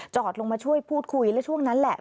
ลงมาช่วยพูดคุยและช่วงนั้นแหละ